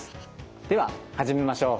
では始めましょう。